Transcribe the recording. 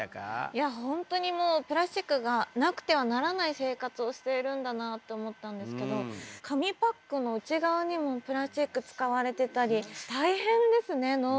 いや本当にもうプラスチックがなくてはならない生活をしているんだなと思ったんですけど紙パックの内側にもプラスチック使われてたり大変ですねＮｏ！